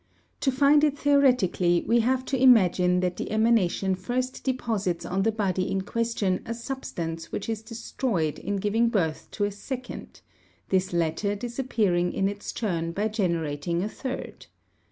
To find it theoretically we have to imagine that the emanation first deposits on the body in question a substance which is destroyed in giving birth to a second, this latter disappearing in its turn by generating a third.